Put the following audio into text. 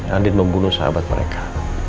andin membunuh sahabat mereka